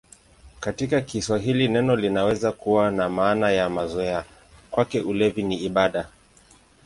Katika Kiswahili neno linaweza kuwa na maana ya mazoea: "Kwake ulevi ni ibada".